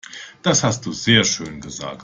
Das hast du sehr schön gesagt.